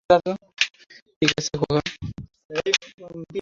ঠিক আছে, খোকা!